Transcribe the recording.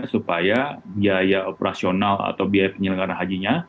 supaya biaya operasional atau biaya penyelenggaran hajinya